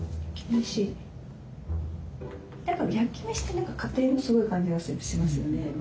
焼き飯って何か家庭のすごい感じがしますよね。